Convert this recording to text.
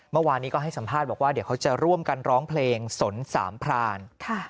เมื่อวานนี้ก็ให้สัมภาษณ์บอกว่าเดี๋ยวเขาจะร่วมกันร้องเพลงสนสามพราน